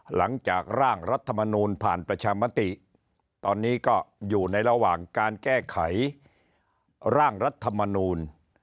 หลังจากร่างรัฐมนูลผ่านประชามติตอนนี้ก็อยู่ในระหว่างการแก้ไขร่างรัฐมนูล